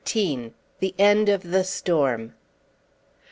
THE END OF THE STORM.